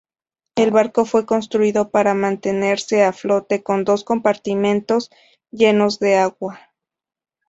El barco fue construido para mantenerse a flote con dos compartimentos llenos de agua.